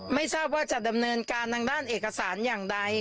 ไม่ทราบว่าจะดำเนินการทางด้านเอกสารอย่างใด